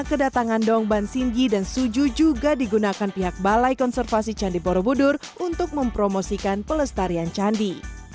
kedatangan dongban singgi dan suju juga digunakan pihak balai konservasi candi borobudur untuk mempromosikan pelestarian candi